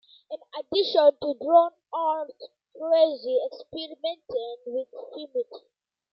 In addition to drawn art, "Crazy" experimented with fumetti.